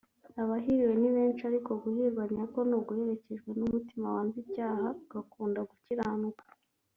“Abahiriwe ni benshi ariko guhirwa nyako ni uguherekejwe n’umutima wanze icyaha ugakunda gukiranuka”